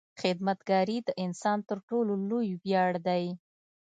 • خدمتګاري د انسان تر ټولو لوی ویاړ دی.